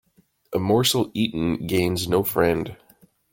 A morsel eaten gains no friend.